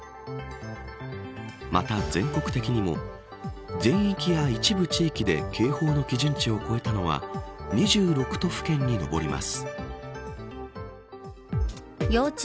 また全国的にも全域や一部地域で警報の基準値を超えたのは２６都府県に上ります。